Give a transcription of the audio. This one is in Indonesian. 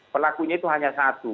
pelakunya itu hanya satu